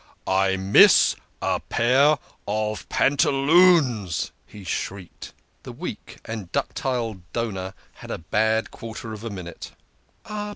"I miss a pair of pan ta loons !" he shrieked. The weak and ductile donor had a bad quarter of a minute.